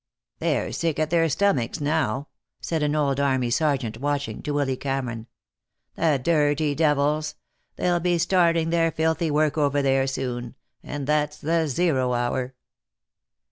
"They're sick at their stomachs now," said an old army sergeant, watching, to Willy Cameron. "The dirty devils! They'll be starting their filthy work over there soon, and that's the zero hour."